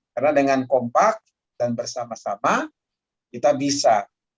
karena dengan kompak dan bersama sama kita bisa